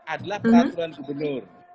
adalah peraturan gubernur